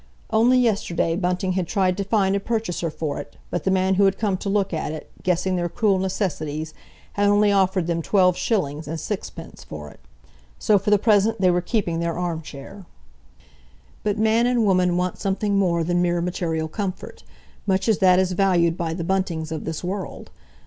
Only yesterday Bunting had tried to find a purchaser for it, but the man who had come to look at it, guessing their cruel necessities, had only offered them twelve shillings and sixpence for it; so for the present they were keeping their arm chair. But man and woman want something more than mere material comfort, much as that is valued by the Buntings of this world.